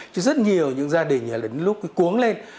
chứ rất nhiều gia đình lúc cuốn lên